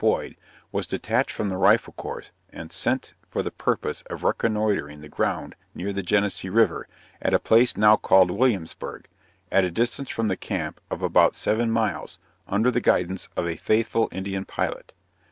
Boyd, was detached from the rifle corps, and sent out for the purpose of reconnoitering the ground near the Genesee river, at a place now called Williamsburg, at a distance from the camp of about seven miles, under the guidance of a faithful Indian pilot.